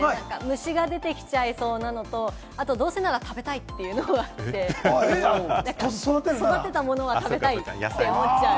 虫が出てきそうなのと、どうせなら食べたいというのがあって、育てたものは食べたいって思っちゃう。